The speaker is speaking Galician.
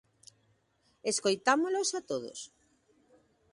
Escoitámolos a todos.